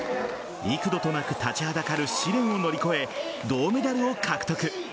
幾度となく立ちはだかる試練を乗り越え銅メダルを獲得。